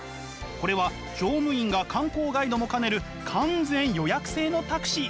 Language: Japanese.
これは乗務員が観光ガイドも兼ねる完全予約制のタクシー。